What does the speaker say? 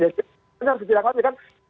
tapi ini harus dijeratkan lagi kan